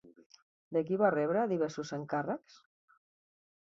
De qui va rebre diversos encàrrecs?